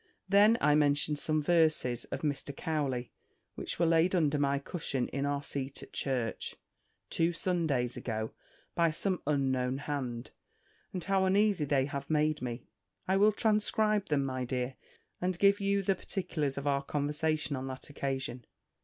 Then I mentioned some verses of Mr. Cowley, which were laid under my cushion in our seat at church, two Sundays ago, by some unknown hand; and how uneasy they have made me. I will transcribe them, my dear, and give you the particulars of our conversation on that occasion.